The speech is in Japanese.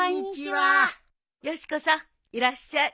よし子さんいらっしゃい。